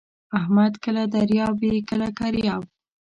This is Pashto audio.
احمد کله دریاب وي کله کریاب.